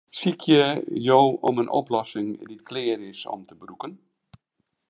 Sykje jo om in oplossing dy't klear is om te brûken?